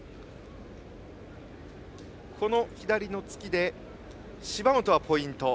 左の突きで芝本はポイント。